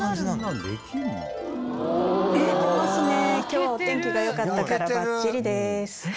今日はお天気がよかったからバッチリです。